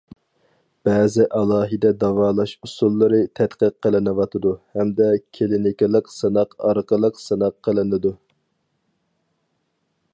بەزى ئالاھىدە داۋالاش ئۇسۇللىرى تەتقىق قىلىنىۋاتىدۇ ھەمدە كىلىنىكىلىق سىناق ئارقىلىق سىناق قىلىنىدۇ.